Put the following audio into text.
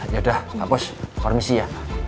yaudah pak bos permisi ya